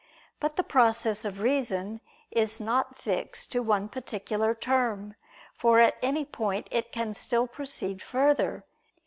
But the process of reason is not fixed to one particular term, for at any point it can still proceed further.